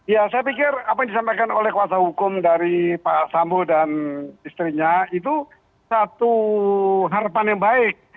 ya saya pikir apa yang disampaikan oleh kuasa hukum dari pak sambo dan istrinya itu satu harapan yang baik